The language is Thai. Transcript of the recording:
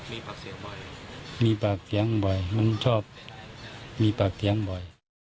มีปากเสียงบ่อยมีปากเสียงบ่อยมันชอบมีปากเสียงบ่อย